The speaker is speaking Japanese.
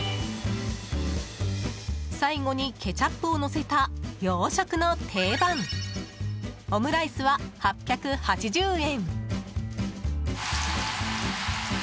最後にケチャップをのせた洋食の定番、オムライスは８８０円。